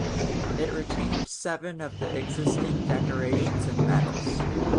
It retained seven of the existing decorations and medals.